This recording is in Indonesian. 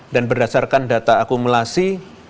dan berdasarkan data akumulasi